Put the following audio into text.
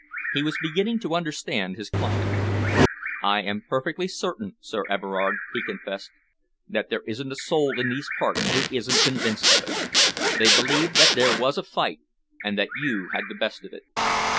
He was beginning to understand his client. "I am perfectly certain, Sir Everard," he confessed, "that there isn't a soul in these parts who isn't convinced of it. They believe that there was a fight and that you had the best of it."